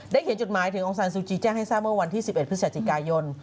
เขียนจดหมายถึงองซานซูจีแจ้งให้ทราบเมื่อวันที่๑๑พฤศจิกายน